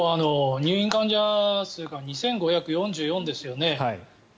入院患者数が２５４４ですよね。